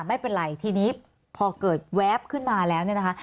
ไม่เป็นไรทีนี้พอเกิดแวบขึ้นมาแล้วเนี่ยนะคะ